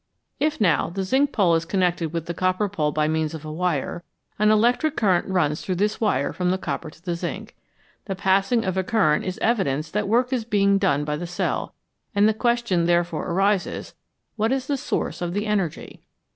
If, now, the zinc pole is connected with the copper pole by means of a wire, an electric current runs through this wire from the copper to the zinc. The passing of a current is evidence that work is being done by the cell, and the question therefore arises What is the source of the energy